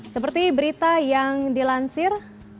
seperti berita yang dilansir